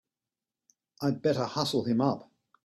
I'd better hustle him up!